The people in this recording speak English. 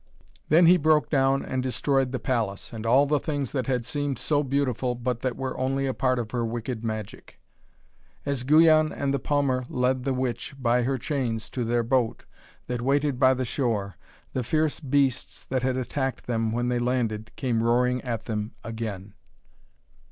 Then he broke down and destroyed the palace, and all the things that had seemed so beautiful, but that were only a part of her wicked magic. As Guyon and the palmer led the witch by her chains to their boat that waited by the shore, the fierce beasts that had attacked them when they landed came roaring at them again.